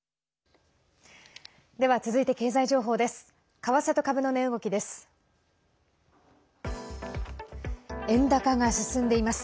では、続いて経済情報です。